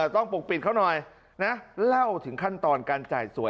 ต้องปกปิดเขาหน่อยนะเล่าถึงขั้นตอนการจ่ายสวย